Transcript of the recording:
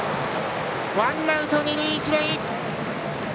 ワンアウト、二塁一塁。